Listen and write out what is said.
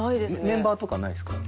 メンバーとかないですか？